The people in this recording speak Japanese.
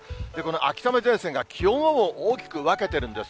秋雨前線が気温を大きく分けてるんです。